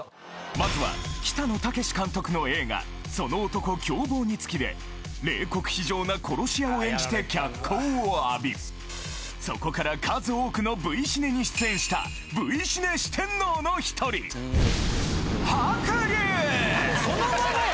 まずは北野武監督の映画冷酷非情な殺し屋を演じて脚光を浴びそこから数多くのＶシネに出演したＶシネ四天王の１人そのままや！